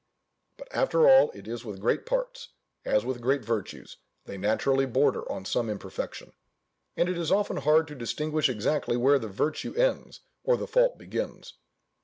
But after all, it is with great parts, as with great virtues, they naturally border on some imperfection; and it is often hard to distinguish exactly where the virtue ends, or the fault begins.